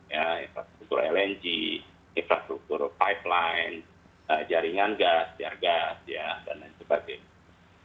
ya infrastruktur lng infrastruktur pipeline jaringan gas tiar gas ya dan lain sebagainya